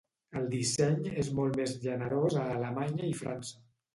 El disseny és molt més generós a Alemanya i França.